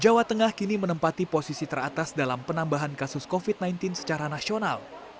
jawa tengah kini menempati posisi teratas dalam penambahan kasus covid sembilan belas secara nasional